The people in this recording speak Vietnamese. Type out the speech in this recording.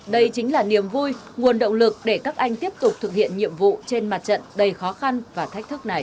đây chính là niềm vui nguồn động lực để các anh tiếp tục thực hiện nhiệm vụ trên mặt trận đầy khó khăn và thách thức này